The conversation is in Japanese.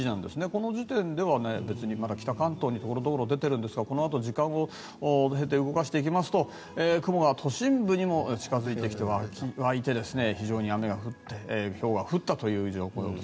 この時点では別にまだ北関東に所々出てるんですがこのあと時間を乗せてみてみますと雲が都心部にも近付いてきていて非常に雨が降ってひょうが降ったといいう状況。